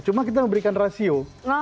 cuma kita memberikan rasio